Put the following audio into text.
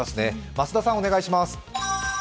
増田さん、お願いします。